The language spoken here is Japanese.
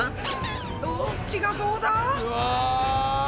どっちがどうだ？うわ！